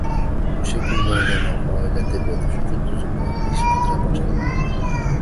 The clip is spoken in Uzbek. O`sha kunlardanoq oila tebratish uchun tuzukroq ish qidira boshladim